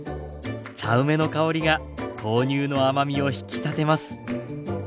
茶梅の香りが豆乳の甘みを引き立てます。